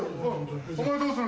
お前どうする？